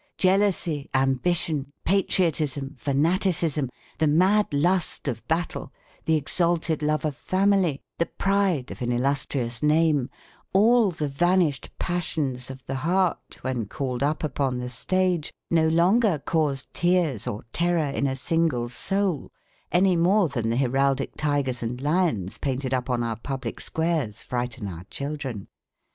Jealousy, ambition, patriotism, fanaticism, the mad lust of battle, the exalted love of family, the pride of an illustrious name, all the vanished passions of the heart when called up upon the stage, no longer cause tears or terror in a single soul, any more than the heraldic tigers and lions painted up on our public squares frighten our children.